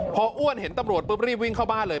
พออ้วนเห็นตำรวจปุ๊บรีบวิ่งเข้าบ้านเลย